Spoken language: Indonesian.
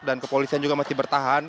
dan kepolisian juga masih bertahan